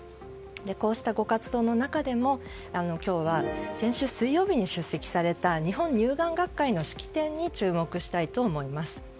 こうしたご活動の中でも今日は先週水曜日に出席された日本乳癌学会の式典に注目したいと思います。